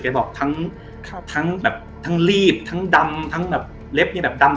บอกทั้งแบบทั้งรีบทั้งดำทั้งแบบเล็บนี่แบบดำ